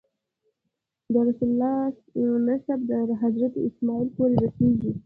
د رسول الله نسب تر حضرت اسماعیل پورې رسېږي.